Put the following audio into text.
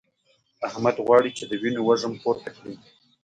احمد غواړي چې د وينو وږم پورته کړي.